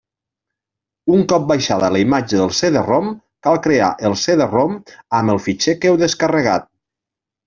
Un cop baixada la imatge del CD-ROM, cal crear el CD-ROM amb el fitxer que heu descarregat.